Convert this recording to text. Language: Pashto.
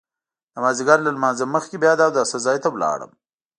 د مازیګر له لمانځه مخکې بیا د اوداسه ځای ته لاړم.